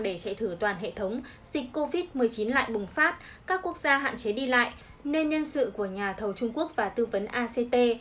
để chạy thử toàn hệ thống dịch covid một mươi chín lại bùng phát các quốc gia hạn chế đi lại nên nhân sự của nhà thầu trung quốc và tư vấn act